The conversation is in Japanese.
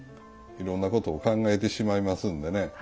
いろんなことを考えてしまいますんでね。